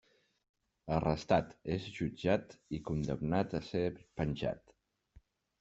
Arrestat, és jutjat i condemnat a ser penjat.